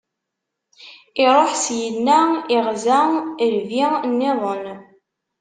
Iṛuḥ syenna, iɣza lbi- nniḍen.